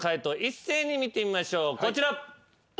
見てみましょうこちら。